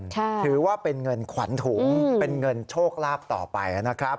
ถือว่าเป็นเงินขวัญถุงเป็นเงินโชคลาภต่อไปนะครับ